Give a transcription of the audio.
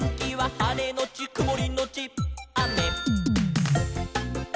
「はれのちくもりのちあめ」